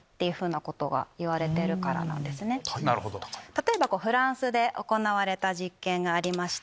例えばフランスで行われた実験がありまして。